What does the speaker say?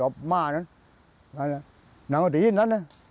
รู้สึกสอนิดหนึ่ง